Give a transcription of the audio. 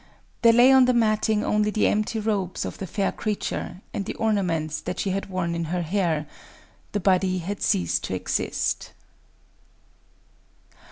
There lay on the matting only the empty robes of the fair creature and the ornaments that she had worn in her hair: the body had ceased to exist...